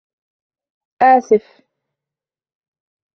آسف...